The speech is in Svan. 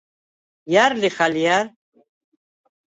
ჲა̈რ ლიხ ალჲა̈რ?